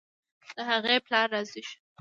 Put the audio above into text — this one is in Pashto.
د هغې پلار راضي شو.